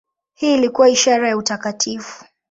Hii ilikuwa ishara ya utakatifu.